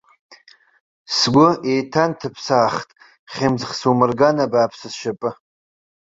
Сгәы еиҭанҭыԥсаахт хьымӡӷ сумырган абааԥсы сшьапы!